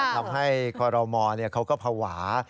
ทำให้คลมเขาก็ภาวะ